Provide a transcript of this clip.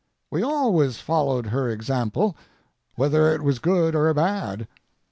We always followed her example, whether it was good or bad.